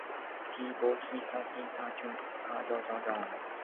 你無去傷人，人袂來害你